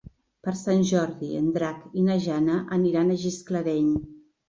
Per Sant Jordi en Drac i na Jana aniran a Gisclareny.